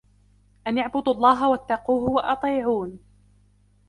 أن اعبدوا الله واتقوه وأطيعون